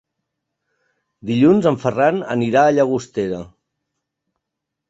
Dilluns en Ferran anirà a Llagostera.